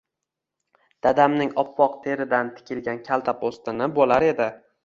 Dadamning oppoq teridan tikilgan kalta po’stini bo’lar edi.